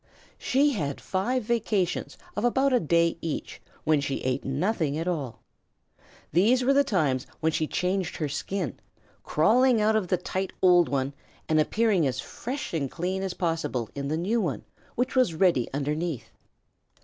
She had five vacations of about a day each when she ate nothing at all. These were the times when she changed her skin, crawling out of the tight old one and appearing as fresh and clean as possible in the new one which was ready underneath.